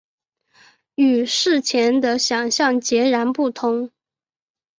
与事前的想像截然不同